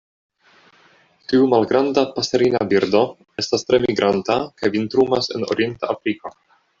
Tiu malgranda paserina birdo estas tre migranta kaj vintrumas en orienta Afriko.